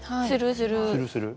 するする。